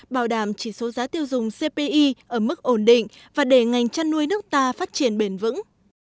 bảo đảm chỉ số giá tiêu dùng cpi ở mức ổn định và để ngành chăn nuôi nước ta phát triển bền vững